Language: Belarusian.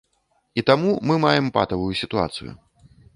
І таму мы маем патавую сітуацыю.